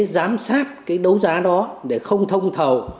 giám sát cái đấu giá đó để không thông thầu